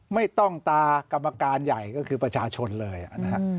ไม่ต้องตากรรมการใหญ่ก็คือประชาชนเลยนะฮะ